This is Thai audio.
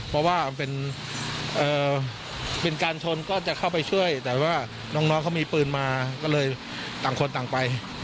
เพราะว่าเป็นการชนก็จะเข้าไปช่วยแต่ว่าน้องเขามีปืนมาก็เลยต่างคนต่างไป